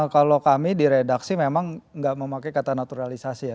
kalau kami di redaksi memang tidak memakai kata naturalisasi ya